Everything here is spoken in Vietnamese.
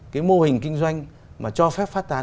cái mô hình kinh doanh mà cho phép phát tán